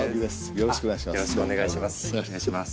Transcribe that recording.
よろしくお願いします。